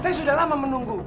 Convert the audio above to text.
saya sudah lama menunggu